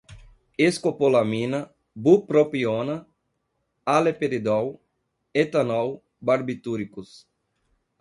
escopolamina, bupropiona, haloperidol, etanol, barbitúricos